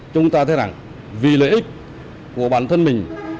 chúng ta thấy rằng vì lợi ích của bản thân mình